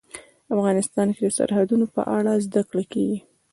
افغانستان کې د سرحدونه په اړه زده کړه کېږي.